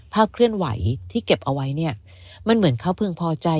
เคลื่อนไหวที่เก็บเอาไว้เนี่ยมันเหมือนเขาพึงพอใจ